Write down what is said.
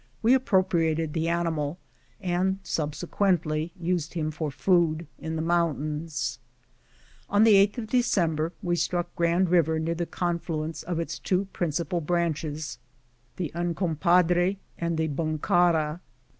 We appropriated the animal, and subsequently used him for food in the mountains. On the 8th of December we struck Grand Eiver near the confluence of its two principal branches, the Uncompa dre and the Bunkara.